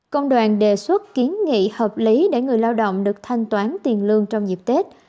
công đoàn đề xuất kiến nghị hợp lý để người lao động được thanh toán tiền lương trong dịp tết